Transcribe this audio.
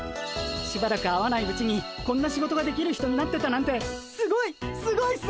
しばらく会わないうちにこんな仕事ができる人になってたなんてすごいっ！